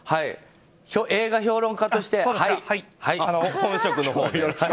映画評論家として本職のほうを。